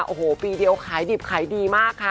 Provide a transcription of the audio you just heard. โอ้โหปีเดียวขายดิบขายดีมากค่ะ